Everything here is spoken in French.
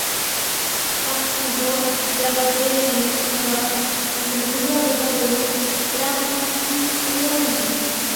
Partisan d'arrêter les combats le gouvernement demande l'armistice aux Allemands.